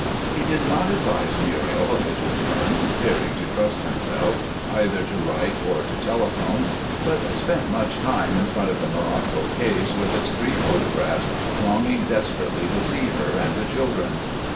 He did not advise Muriel of his return, fearing to trust himself either to write or to telephone, but spent much time in front of the morocco case with its three photographs, longing desperately to see her and the children.